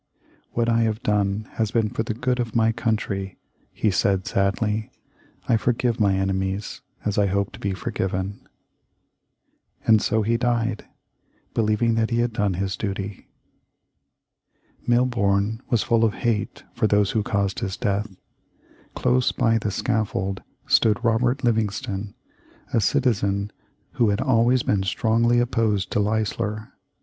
"What I have done has been for the good of my country," he said, sadly. "I forgive my enemies, as I hope to be forgiven." And so he died; believing that he had done his duty. Milborne was full of hate for those who caused his death. Close by the scaffold stood Robert Livingston, a citizen who had always been strongly opposed to Leisler.